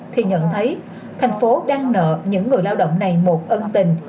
thì nhận thấy thành phố đang nợ những người lao động này một ân tình